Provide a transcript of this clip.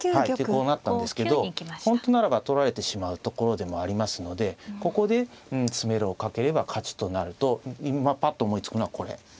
こうなったんですけど本当ならば取られてしまうところでもありますのでここで詰めろをかければ勝ちとなると今パッと思いつくのはこれ。